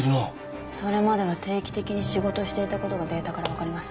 それまでは定期的に仕事をしていたことがデータから分かります。